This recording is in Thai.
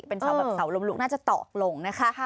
เป็นเสาแบบเสาลมลุกน่าจะตอกลงนะคะ